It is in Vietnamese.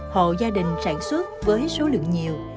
hộ gia đình sản xuất với số lượng nhiều